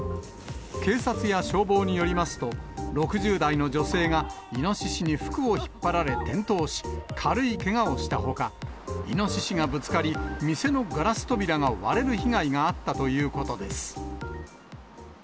警察や消防によりますと、６０代の女性がイノシシに服を引っ張られ転倒し、軽いけがをしたほか、イノシシがぶつかり、店のガラス扉が割れる被害があったということです。